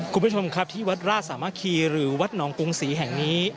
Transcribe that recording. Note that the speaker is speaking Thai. คุณผู้ชมครับที่วัดราชสามัคคีหรือวัดหนองกรุงศรีแห่งนี้